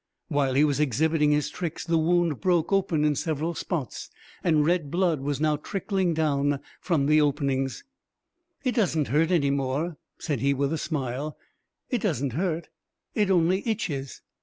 While he was exhibiting his tricks the wound broke open in several spots and red blood was now trickling from the openings. "It doesn't hurt any more," said he with a smile. "It doesn't hurt, it only itches."